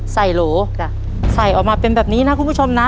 โหลใส่ออกมาเป็นแบบนี้นะคุณผู้ชมนะ